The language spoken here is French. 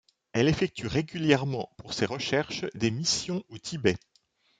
Elle effectue régulièrement pour ses recherches des missions au Tibet.